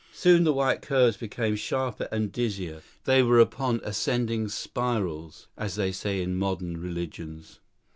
Soon the white curves came sharper and dizzier; they were upon ascending spirals, as they say in the modern religions.